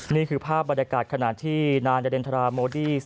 นี่คือภาพบรรยากาศขณะที่นางดาเดนทราโมดี้